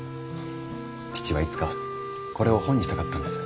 父はいつかこれを本にしたかったんです。